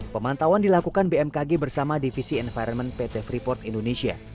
pemantauan dilakukan bmkg bersama divisi environment pt freeport indonesia